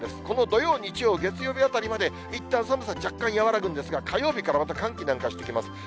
この土曜、日曜、月曜あたりまでいったん寒さ若干和らぐんですが、火曜日からまた寒気、南下してきます。